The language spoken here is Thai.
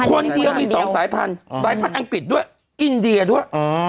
คนเดียวมี๒สายพันธุ์สายพันธุ์อังกฤษด้วยอินเดียด้วย